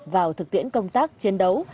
vào thực tiễn công tác chiến đấu